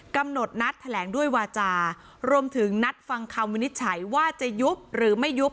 กำหนดนัดแถลงด้วยวาจารวมถึงนัดฟังคำวินิจฉัยว่าจะยุบหรือไม่ยุบ